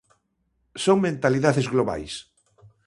Son mentalidades globais.